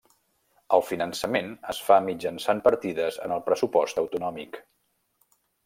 El finançament es fa mitjançant partides en el pressupost autonòmic.